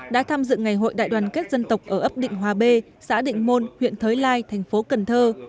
đã tham dự ngày hội đại đoàn kết dân tộc ở ấp định hòa bê xã định môn huyện thới lai thành phố cần thơ